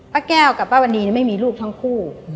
ป้าแก้วกับป้าวันนี้ไม่มีลูกทั้งคู่